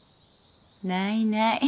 ないない。